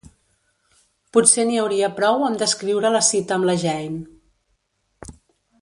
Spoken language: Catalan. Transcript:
Potser n'hi hauria prou amb descriure la cita amb la Jane.